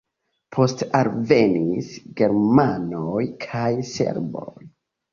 Poste alvenis germanoj kaj serboj.